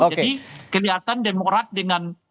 jadi kelihatan demorat dengan